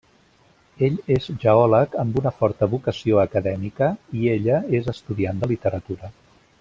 Ell és geòleg amb una forta vocació acadèmica i ella és estudiant de literatura.